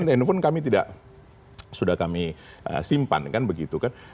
handphone kami sudah kami simpan kan begitu kan